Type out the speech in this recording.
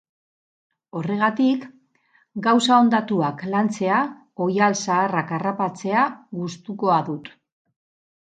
Horregatik, gauza hondatuak lantzea, oihal zaharrak harrapatzea gustukoa dut.